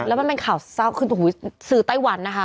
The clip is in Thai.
แล้วมันเป็นข่าวเศร้าขึ้นสื่อไต้หวันนะคะ